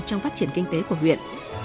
trong phát triển kinh tế của huyện